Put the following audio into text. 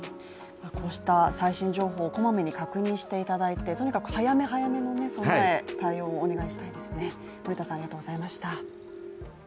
こうして最新情報こまめに確認していただいてとにかく早め早めの備え、対応をお願いしたいですね。